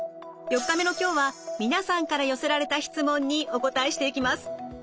４日目の今日は皆さんから寄せられた質問にお答えしていきます。